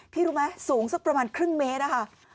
รู้ไหมสูงสักประมาณครึ่งเมตรอะค่ะ